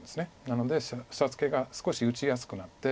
なので下ツケが少し打ちやすくなって。